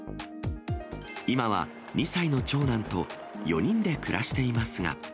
今は２歳の長男と４人で暮らしていますが。